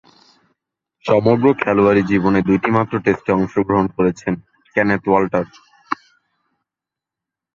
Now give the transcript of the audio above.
সমগ্র খেলোয়াড়ী জীবনে দুইটিমাত্র টেস্টে অংশগ্রহণ করেছেন কেনেথ ওয়াল্টার।